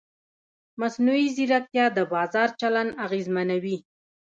مصنوعي ځیرکتیا د بازار چلند اغېزمنوي.